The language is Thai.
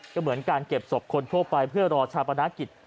ก็เหมือนการเก็บศพคนทั่วไปเพื่อรอชาปนากิจ